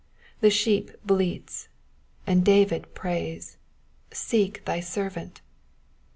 The sheep bleats, and David prays, '* Seek thy servant."